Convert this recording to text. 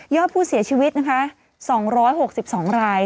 อดผู้เสียชีวิตนะคะ๒๖๒ราย